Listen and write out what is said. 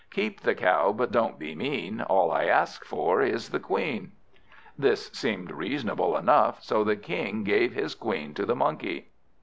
Keep the cow, but don't be mean: All I ask for, is the Queen." This seemed reasonable enough, so the King gave his Queen to the Monkey.